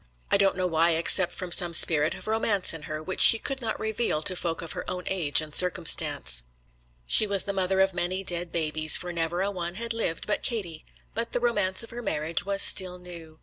I don't know why, except from some spirit of romance in her, which she could not reveal to folk of her own age and circumstances. She was the mother of many dead babies, for never a one had lived but Katie; but the romance of her marriage was still new.